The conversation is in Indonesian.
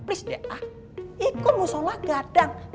ikut musolah kadang